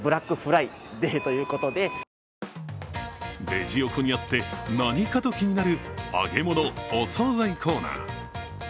レジ横にあって、何かと気になる揚げ物、お総菜コーナー。